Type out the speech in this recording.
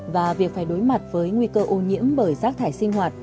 và việc phải đối mặt với nguy cơ ô nhiễm bởi rác thải sinh hoạt